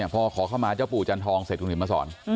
พอขอเข้ามาเจ้าปู่จันทองเสร็จคุณเห็นมาสอน